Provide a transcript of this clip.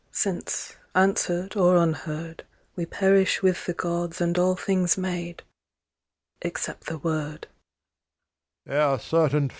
Since, answered or unheard, We perish with the Gods and allThings made—except the Word.